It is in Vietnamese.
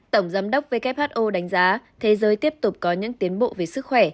tổng giám đốc who đánh giá thế giới tiếp tục có những tiến bộ về sức khỏe